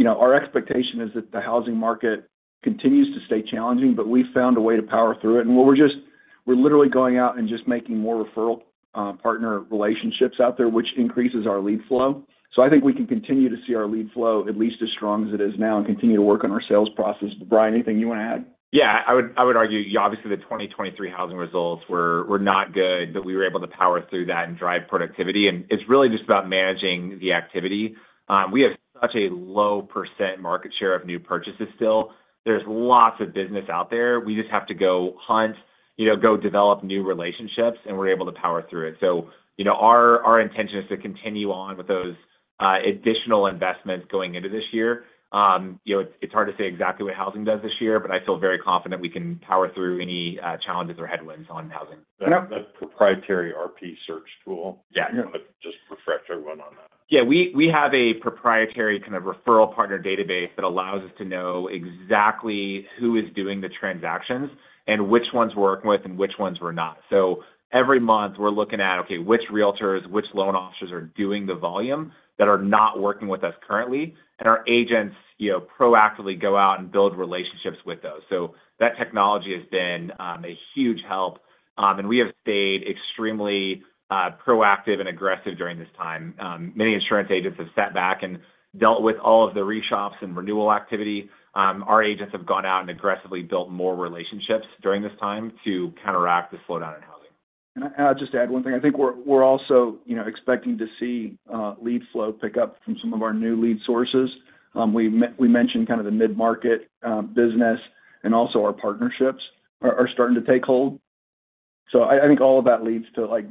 S3: our expectation is that the housing market continues to stay challenging, but we found a way to power through it. And we're literally going out and just making more referral partner relationships out there, which increases our lead flow. So I think we can continue to see our lead flow at least as strong as it is now and continue to work on our sales process. Brian, anything you want to add?
S8: Yeah. I would argue obviously, the 2023 housing results were not good, but we were able to power through that and drive productivity. It's really just about managing the activity. We have such a low percent market share of new purchases still. There's lots of business out there. We just have to go hunt, go develop new relationships, and we're able to power through it. Our intention is to continue on with those additional investments going into this year. It's hard to say exactly what housing does this year, but I feel very confident we can power through any challenges or headwinds on housing.
S4: That proprietary RP search tool, just refresh everyone on that.
S7: Yeah. We have a proprietary kind of referral partner database that allows us to know exactly who is doing the transactions and which ones we're working with and which ones we're not. So every month, we're looking at, okay, which Realtors, which loan officers are doing the volume that are not working with us currently. And our agents proactively go out and build relationships with those. So that technology has been a huge help. And we have stayed extremely proactive and aggressive during this time. Many insurance agents have sat back and dealt with all of the reshops and renewal activity. Our agents have gone out and aggressively built more relationships during this time to counteract the slowdown in housing.
S3: I'll just add one thing. I think we're also expecting to see lead flow pick up from some of our new lead sources. We mentioned kind of the mid-market business, and also our partnerships are starting to take hold. I think all of that leads to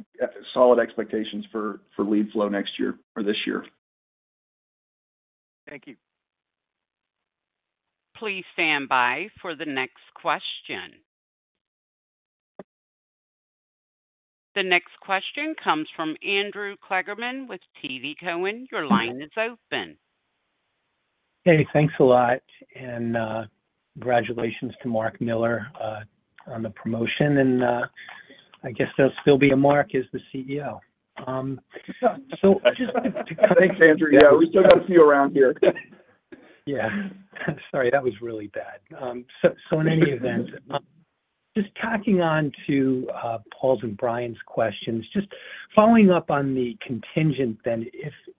S3: solid expectations for lead flow next year or this year.
S7: Thank you.
S1: Please stand by for the next question. The next question comes from Andrew Kligerman with TD Cowen. Your line is open.
S9: Hey. Thanks a lot. And congratulations to Mark Miller on the promotion. And I guess there'll still be a Mark as the CEO. So just to kind of.
S4: Thanks, Andrew. Yeah. We still got a few around here.
S9: Yeah. Sorry. That was really bad. So in any event, just tacking on to Paul's and Brian's questions, just following up on the contingent, then,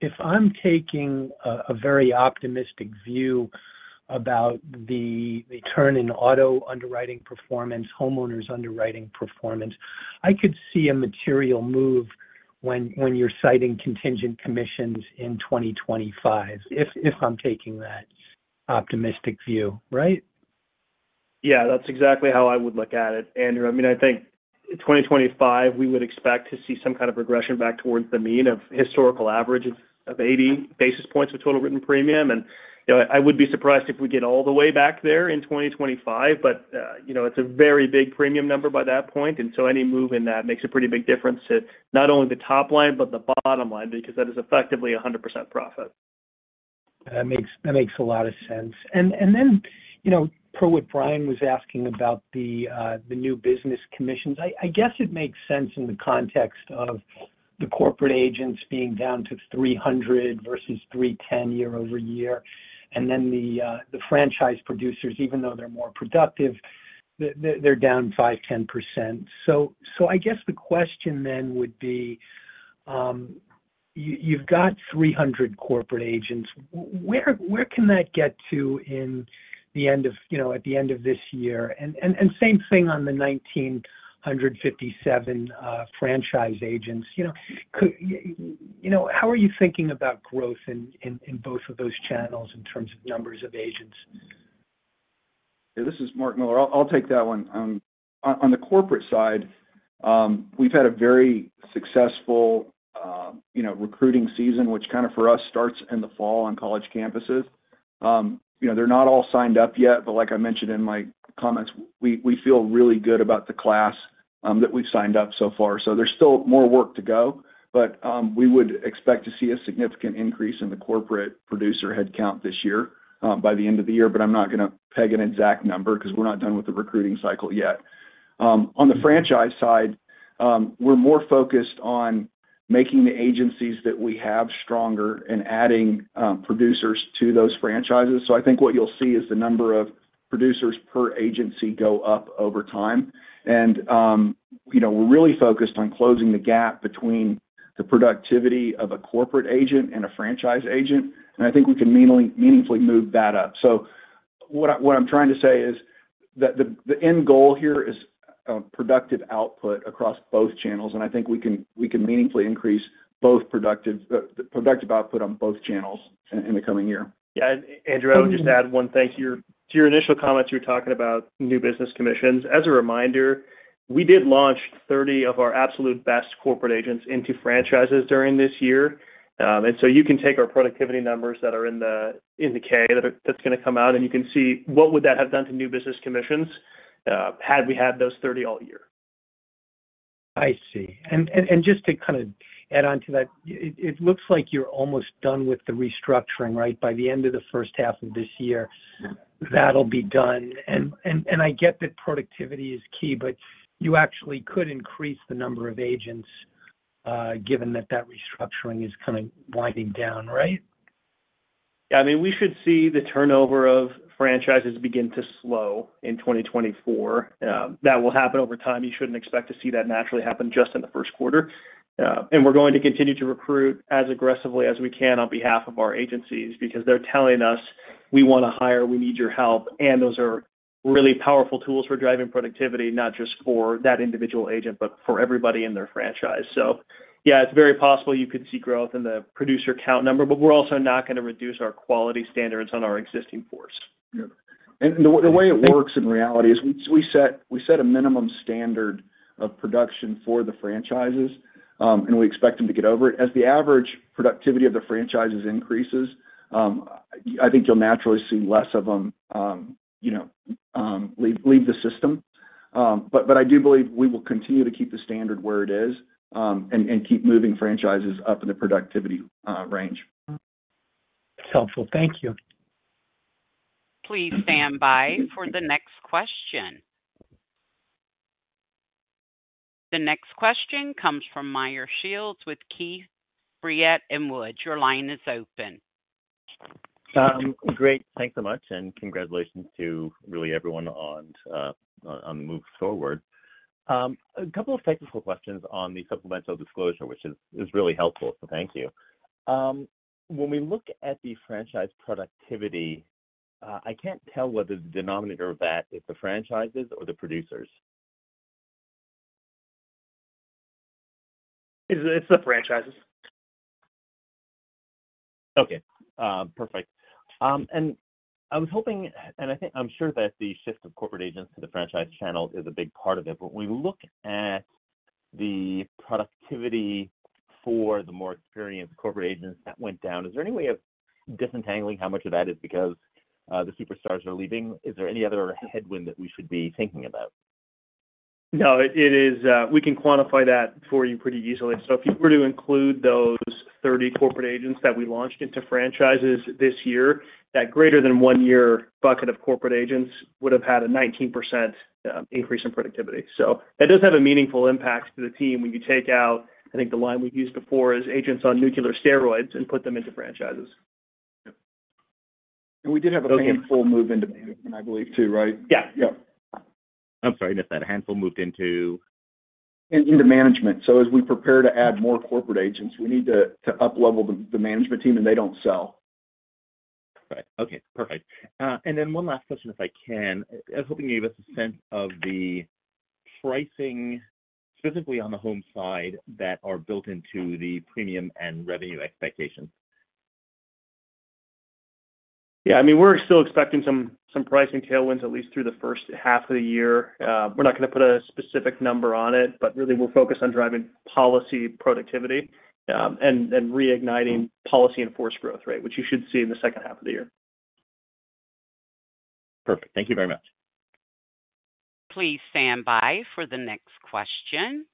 S9: if I'm taking a very optimistic view about the turn in auto underwriting performance, homeowners underwriting performance, I could see a material move when you're citing contingent commissions in 2025, if I'm taking that optimistic view, right?
S5: Yeah. That's exactly how I would look at it, Andrew. I mean, I think in 2025, we would expect to see some kind of regression back towards the mean of historical average of 80 basis points of total written premium. And I would be surprised if we get all the way back there in 2025, but it's a very big premium number by that point. And so any move in that makes a pretty big difference to not only the top line, but the bottom line because that is effectively 100% profit.
S9: That makes a lot of sense. And then per what Brian was asking about the new business commissions, I guess it makes sense in the context of the corporate agents being down to 300 versus 310 year-over-year. And then the franchise producers, even though they're more productive, they're down 5%-10%. So I guess the question then would be, you've got 300 corporate agents. Where can that get to at the end of this year? And same thing on the 1,957 franchise agents. How are you thinking about growth in both of those channels in terms of numbers of agents?
S4: Yeah. This is Mark Miller. I'll take that one. On the corporate side, we've had a very successful recruiting season, which kind of for us starts in the fall on college campuses. They're not all signed up yet, but like I mentioned in my comments, we feel really good about the class that we've signed up so far. So there's still more work to go, but we would expect to see a significant increase in the corporate producer headcount this year by the end of the year. But I'm not going to peg an exact number because we're not done with the recruiting cycle yet. On the franchise side, we're more focused on making the agencies that we have stronger and adding producers to those franchises. So I think what you'll see is the number of producers per agency go up over time. We're really focused on closing the gap between the productivity of a corporate agent and a franchise agent. I think we can meaningfully move that up. What I'm trying to say is that the end goal here is productive output across both channels. I think we can meaningfully increase the productive output on both channels in the coming year.
S5: Yeah. And Andrew, I would just add one thing to your initial comments. You were talking about new business commissions. As a reminder, we did launch 30 of our absolute best corporate agents into franchises during this year. And so you can take our productivity numbers that are in the 10-K that's going to come out, and you can see what would that have done to new business commissions had we had those 30 all year.
S9: I see. And just to kind of add on to that, it looks like you're almost done with the restructuring, right? By the end of the first half of this year, that'll be done. And I get that productivity is key, but you actually could increase the number of agents given that that restructuring is kind of winding down, right?
S5: Yeah. I mean, we should see the turnover of franchises begin to slow in 2024. That will happen over time. You shouldn't expect to see that naturally happen just in the first quarter. And we're going to continue to recruit as aggressively as we can on behalf of our agencies because they're telling us, "We want to hire. We need your help." And those are really powerful tools for driving productivity, not just for that individual agent, but for everybody in their franchise. So yeah, it's very possible you could see growth in the producer count number, but we're also not going to reduce our quality standards on our existing force.
S4: Yeah. And the way it works in reality is we set a minimum standard of production for the franchises, and we expect them to get over it. As the average productivity of the franchises increases, I think you'll naturally see less of them leave the system. But I do believe we will continue to keep the standard where it is and keep moving franchises up in the productivity range.
S9: That's helpful. Thank you.
S1: Please stand by for the next question. The next question comes from Meyer Shields with Keefe, Bruyette & Woods. Your line is open.
S10: Great. Thanks so much. And congratulations to really everyone on the move forward. A couple of technical questions on the supplemental disclosure, which is really helpful, so thank you. When we look at the franchise productivity, I can't tell whether the denominator of that is the franchises or the producers.
S5: It's the franchises.
S10: Okay. Perfect. And I was hoping and I'm sure that the shift of corporate agents to the franchise channel is a big part of it. When we look at the productivity for the more experienced corporate agents that went down, is there any way of disentangling how much of that is because the superstars are leaving? Is there any other headwind that we should be thinking about?
S5: No. We can quantify that for you pretty easily. So if you were to include those 30 corporate agents that we launched into franchises this year, that greater than one-year bucket of corporate agents would have had a 19% increase in productivity. So that does have a meaningful impact to the team when you take out I think the line we've used before is agents on nuclear steroids and put them into franchises.
S4: We did have a handful move into management, I believe, too, right?
S5: Yeah.
S10: I'm sorry. I missed that. A handful moved into.
S4: Into management. As we prepare to add more corporate agents, we need to uplevel the management team, and they don't sell.
S10: Right. Okay. Perfect. And then one last question, if I can. I was hoping you gave us a sense of the pricing, specifically on the home side, that are built into the premium and revenue expectations?
S5: Yeah. I mean, we're still expecting some pricing tailwinds at least through the first half of the year. We're not going to put a specific number on it, but really, we're focused on driving policy productivity and reigniting policies in force growth, right, which you should see in the second half of the year.
S10: Perfect. Thank you very much.
S1: Please stand by for the next question.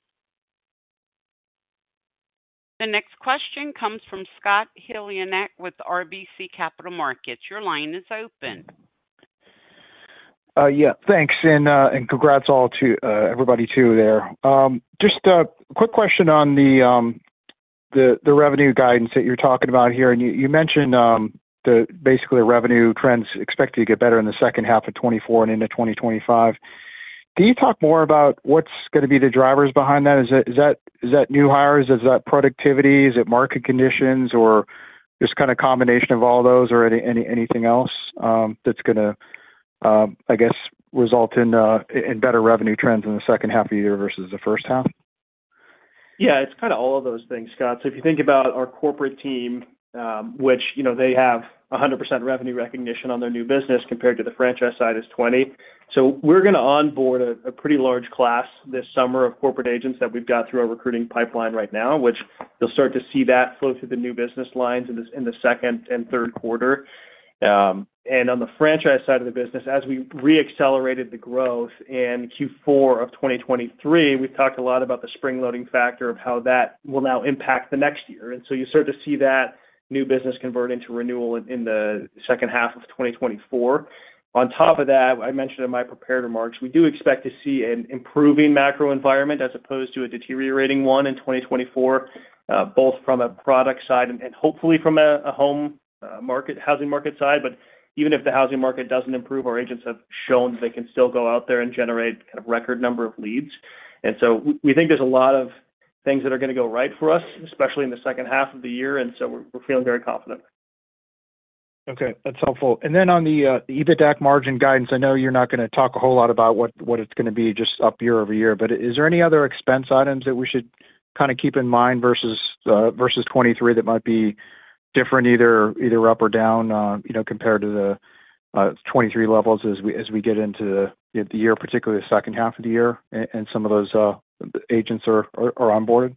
S1: The next question comes from Scott Heleniak with RBC Capital Markets. Your line is open.
S11: Yeah. Thanks. And congrats to everybody too there. Just a quick question on the revenue guidance that you're talking about here. And you mentioned basically the revenue trends expected to get better in the second half of 2024 and into 2025. Can you talk more about what's going to be the drivers behind that? Is that new hires? Is that productivity? Is it market conditions, or just kind of a combination of all those, or anything else that's going to, I guess, result in better revenue trends in the second half of the year versus the first half?
S5: Yeah. It's kind of all of those things, Scott. So if you think about our corporate team, which they have 100% revenue recognition on their new business compared to the franchise side is 20%. So we're going to onboard a pretty large class this summer of corporate agents that we've got through our recruiting pipeline right now, which you'll start to see that flow through the new business lines in the second and third quarter. And on the franchise side of the business, as we reaccelerated the growth in Q4 of 2023, we've talked a lot about the spring-loading factor of how that will now impact the next year. And so you start to see that new business convert into renewal in the second half of 2024. On top of that, I mentioned in my prepared remarks, we do expect to see an improving macro environment as opposed to a deteriorating one in 2024, both from a product side and hopefully from a housing market side. But even if the housing market doesn't improve, our agents have shown that they can still go out there and generate kind of record number of leads. And so we think there's a lot of things that are going to go right for us, especially in the second half of the year. And so we're feeling very confident.
S11: Okay. That's helpful. And then on the EBITDA margin guidance, I know you're not going to talk a whole lot about what it's going to be just up year-over-year, but is there any other expense items that we should kind of keep in mind versus 2023 that might be different, either up or down, compared to the 2023 levels as we get into the year, particularly the second half of the year and some of those agents are onboarded?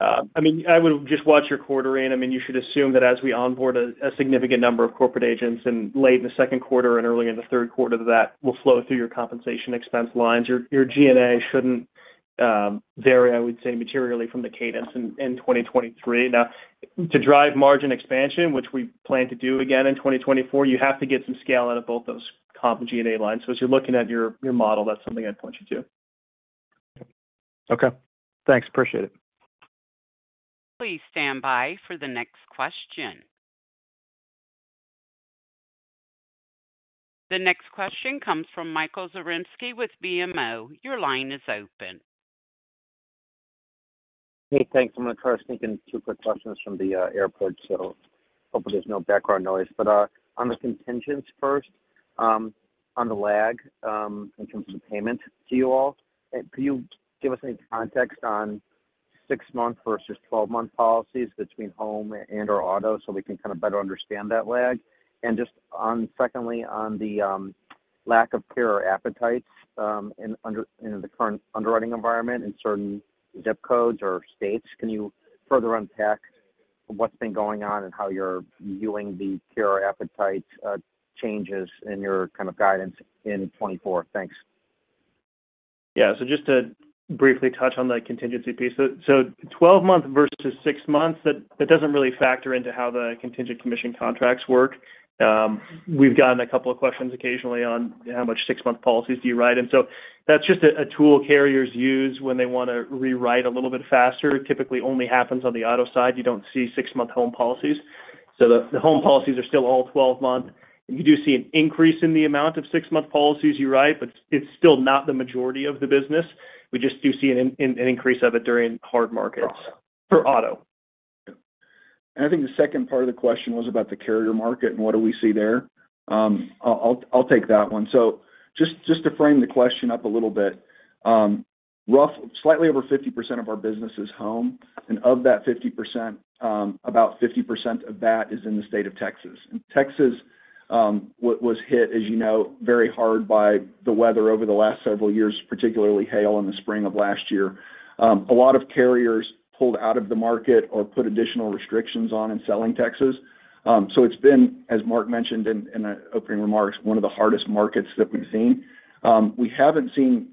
S5: I mean, I would just watch your quarter in. I mean, you should assume that as we onboard a significant number of corporate agents late in the second quarter and early in the third quarter, that will flow through your compensation expense lines. Our G&A shouldn't vary, I would say, materially from the cadence in 2023. Now, to drive margin expansion, which we plan to do again in 2024, you have to get some scale out of both those G&A lines. So as you're looking at your model, that's something I'd point you to.
S11: Okay. Thanks. Appreciate it.
S1: Please stand by for the next question. The next question comes from Michael Zaremski with BMO. Your line is open.
S12: Hey, thanks. I'm going to try sneak in two quick questions from the airport, so hopefully, there's no background noise. But on the contingents first, on the lag in terms of the payment to you all, can you give us any context on six-month versus 12-month policies between home and/or auto so we can kind of better understand that lag? And just secondly, on the lack of carrier appetites in the current underwriting environment and certain ZIP codes or states, can you further unpack what's been going on and how you're viewing the carrier or appetite changes in your kind of guidance in 2024? Thanks.
S5: Yeah. So just to briefly touch on the contingency piece. So 12-month versus six months, that doesn't really factor into how the contingent commission contracts work. We've gotten a couple of questions occasionally on how much six-month policies do you write. And so that's just a tool carriers use when they want to rewrite a little bit faster. It typically only happens on the auto side. You don't see six-month home policies. So the home policies are still all 12-month. You do see an increase in the amount of six-month policies you write, but it's still not the majority of the business. We just do see an increase of it during hard markets for auto.
S4: I think the second part of the question was about the carrier market and what do we see there. I'll take that one. Just to frame the question up a little bit, slightly over 50% of our business is home. Of that 50%, about 50% of that is in the state of Texas. Texas was hit, as you know, very hard by the weather over the last several years, particularly hail in the spring of last year. A lot of carriers pulled out of the market or put additional restrictions on in selling Texas. It's been, as Mark mentioned in opening remarks, one of the hardest markets that we've seen. We haven't seen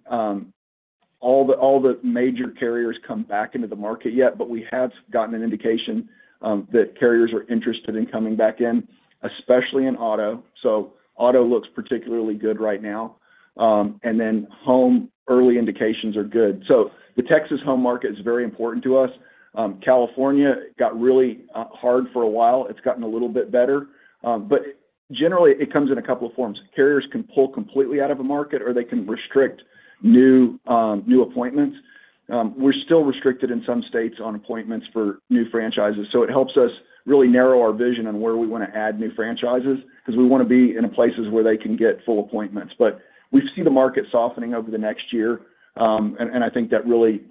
S4: all the major carriers come back into the market yet, but we have gotten an indication that carriers are interested in coming back in, especially in auto. So auto looks particularly good right now. And then home, early indications are good. So the Texas home market is very important to us. California got really hard for a while. It's gotten a little bit better. But generally, it comes in a couple of forms. Carriers can pull completely out of a market, or they can restrict new appointments. We're still restricted in some states on appointments for new franchises. So it helps us really narrow our vision on where we want to add new franchises because we want to be in places where they can get full appointments. But we've seen the market softening over the next year. And I think that really,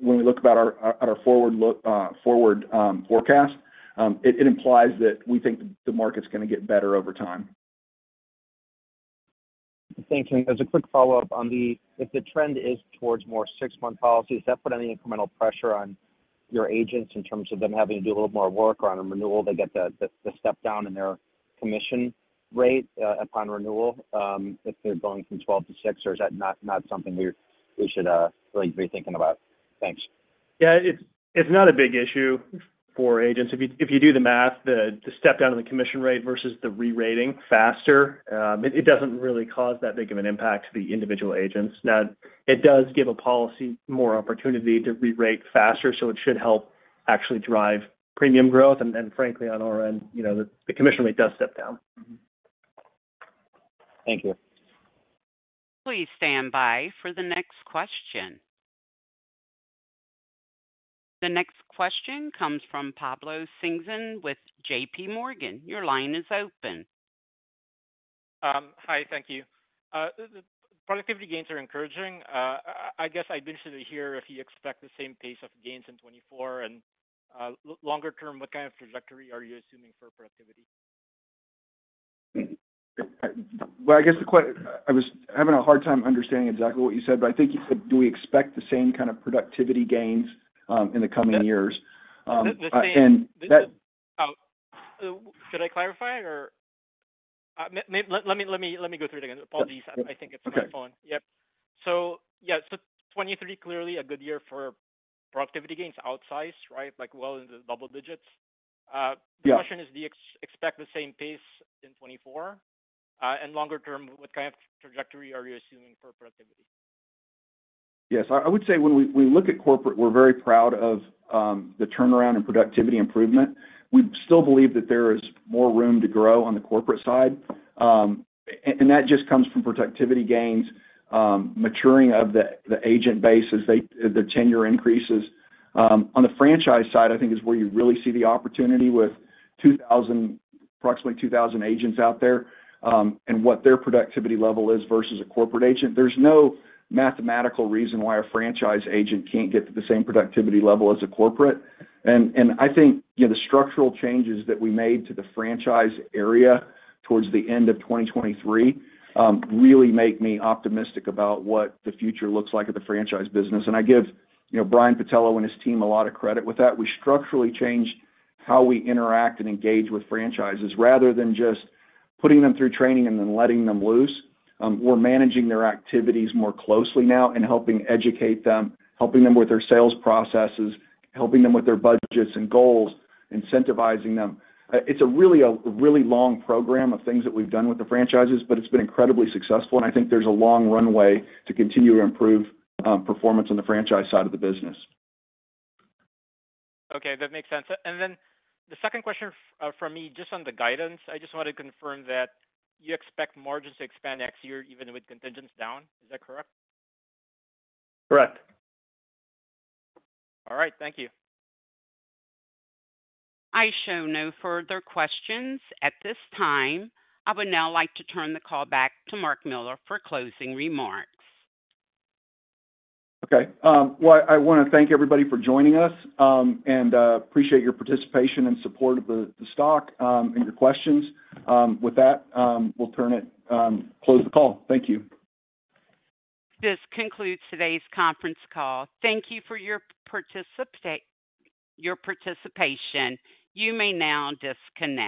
S4: when we look at our forward forecast, it implies that we think the market's going to get better over time.
S12: Thanks. As a quick follow-up on. If the trend is towards more six-month policies, does that put any incremental pressure on your agents in terms of them having to do a little more work on renewal? They get the step down in their commission rate upon renewal if they're going from 12 to six, or is that not something we should really be thinking about? Thanks.
S5: Yeah. It's not a big issue for agents. If you do the math, the step down in the commission rate versus the rerating faster. It doesn't really cause that big of an impact to the individual agents. Now, it does give a policy more opportunity to rerate faster, so it should help actually drive premium growth. And frankly, on our end, the commission rate does step down.
S12: Thank you.
S1: Please stand by for the next question. The next question comes from Pablo Singzon with JPMorgan. Your line is open.
S13: Hi. Thank you. Productivity gains are encouraging. I guess I'd be interested to hear if you expect the same pace of gains in 2024. Longer term, what kind of trajectory are you assuming for productivity?
S4: Well, I guess the question I was having a hard time understanding exactly what you said, but I think you said, "Do we expect the same kind of productivity gains in the coming years?" And that.
S13: Oh. Could I clarify? Let me go through it again. Apologies. I think it's on my phone. Yep. So yeah. So 2023, clearly, a good year for productivity gains outsized, right, well into the double digits. The question is, do you expect the same pace in 2024? And longer term, what kind of trajectory are you assuming for productivity?
S4: Yes. I would say when we look at corporate, we're very proud of the turnaround and productivity improvement. We still believe that there is more room to grow on the corporate side. That just comes from productivity gains, maturing of the agent basis, their tenure increases. On the franchise side, I think, is where you really see the opportunity with approximately 2,000 agents out there and what their productivity level is versus a corporate agent. There's no mathematical reason why a franchise agent can't get to the same productivity level as a corporate. I think the structural changes that we made to the franchise area towards the end of 2023 really make me optimistic about what the future looks like at the franchise business. I give Brian Pattillo and his team a lot of credit with that. We structurally changed how we interact and engage with franchises rather than just putting them through training and then letting them loose. We're managing their activities more closely now and helping educate them, helping them with their sales processes, helping them with their budgets and goals, incentivizing them. It's really a really long program of things that we've done with the franchises, but it's been incredibly successful. And I think there's a long runway to continue to improve performance on the franchise side of the business.
S13: Okay. That makes sense. And then the second question from me, just on the guidance, I just want to confirm that you expect margins to expand next year even with contingents down. Is that correct?
S4: Correct.
S13: All right. Thank you.
S1: I show no further questions at this time. I would now like to turn the call back to Mark Miller for closing remarks.
S4: Okay. Well, I want to thank everybody for joining us and appreciate your participation and support of the stock and your questions. With that, we'll close the call. Thank you.
S1: This concludes today's conference call. Thank you for your participation. You may now disconnect.